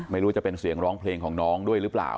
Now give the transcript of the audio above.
ไม่รู้จะเป็นเสียงร้องเพลงของน้องด้วยหรือเปล่า